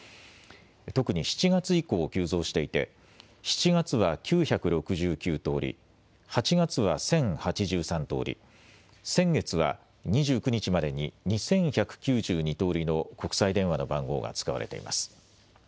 特に７月以降急増していて７月は９６９通り、８月は１０８３通り、先月は２９日までに２１９２通りの国際電話の番号が使われています。